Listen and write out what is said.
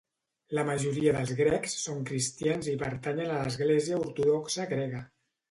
La majoria dels grecs són cristians i pertanyen a l'Església Ortodoxa Grega.